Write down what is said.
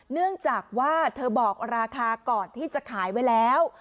เนื่องจากว่าเธอบอกราคาก่อนที่จะขายไว้แล้ว